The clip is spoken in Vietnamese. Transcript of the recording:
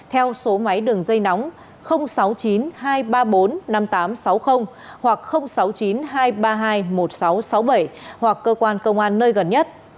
theo số máy đường dây nóng sáu mươi chín hai trăm ba mươi bốn năm nghìn tám trăm sáu mươi hoặc sáu mươi chín hai trăm ba mươi hai một nghìn sáu trăm sáu mươi bảy hoặc cơ quan công an nơi gần nhất